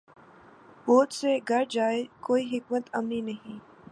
بوجھ سے گر جائے کوئی حکمت عملی نہیں